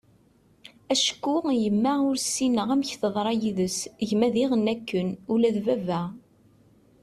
acku yemma ur ssineγ amek teḍṛa yid-s, gma diγen akken, ula d baba